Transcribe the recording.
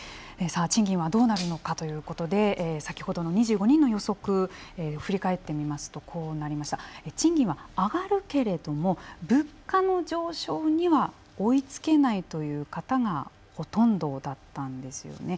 賃金はどうなるのかということで先ほどの２５人の予測振り返ってみますと賃金は上がるけれど物価の上昇には追いつけないという方がほとんどだったんですよね。